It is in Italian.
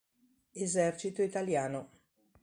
Esercito italiano.